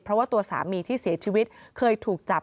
เพราะว่าตัวสามีที่เสียชีวิตเคยถูกจับ